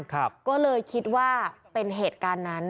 ก็เลยคิดว่าเป็นเหตุการณ์นั้น